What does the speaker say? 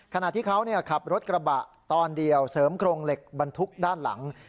ขณะที่เขาขับรถกระบะตอนเดียวเสริมโครงเหล็กบรรทุกด้านหลัง